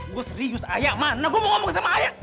gua serius ayah mana gua mau ngomong sama ayah